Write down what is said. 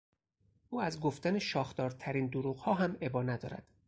او از گفتن شاخدارترین دروغها هم ابا ندارد.